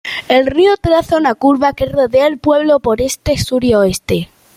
El río traza una curva que rodea el pueblo por este, sur y oeste.